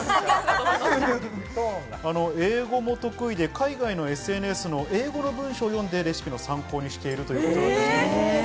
英語も得意で、海外のＳＮＳの英語の文章を読んでレシピの参考にしているということです。